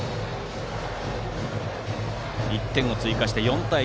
１点を追加して４対１。